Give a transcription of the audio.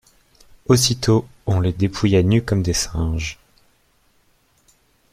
Aussitôt on les dépouilla nus comme des singes.